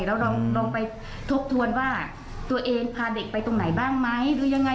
เราลองไปทบทวนว่าตัวเองพาเด็กไปตรงไหนบ้างไหมหรือยังไง